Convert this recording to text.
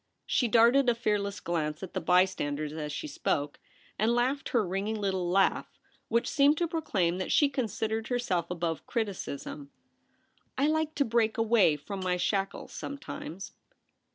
She darted a fearless glance at the bystanders as she spoke, and laughed her ringing little laugh, which seemed to proclaim that she considered herself above criticism ;* I like to break away from my shackles sometimes.